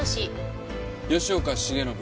吉岡繁信。